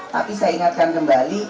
tapi saya ingatkan kembali